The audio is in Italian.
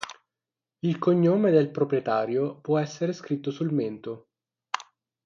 Il cognome del proprietario può essere scritto sul mento.